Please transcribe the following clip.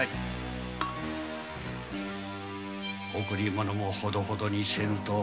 贈り物もほどほどにせぬと。